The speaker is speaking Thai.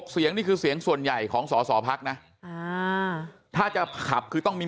เสียงนี่คือเสียงส่วนใหญ่ของสอสอพักนะถ้าจะขับคือต้องมี